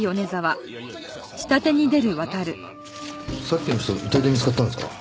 さっきの人遺体で見つかったんですか？